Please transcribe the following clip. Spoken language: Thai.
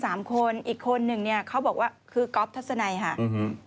สามคนอีกคนหนึ่งเนี้ยเขาบอกว่าคือก๊อฟทัศนัยค่ะอืม